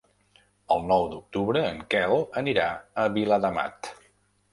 El nou d'octubre en Quel anirà a Viladamat.